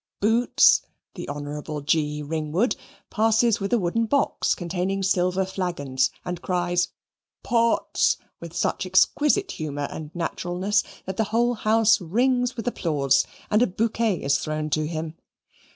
Boots (the Honourable G. Ringwood) passes with a wooden box, containing silver flagons, and cries "Pots" with such exquisite humour and naturalness that the whole house rings with applause, and a bouquet is thrown to him.